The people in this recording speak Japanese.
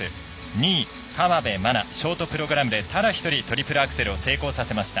２位、河辺愛菜ショートプログラムでただ１人トリプルアクセルを成功させました。